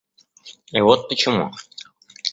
И вот почему.